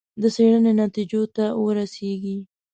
د څېړنې نتیجو ته ورسېږي.